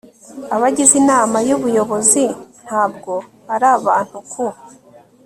abagize inama y ubuyobozi ntabwo ari abantu ku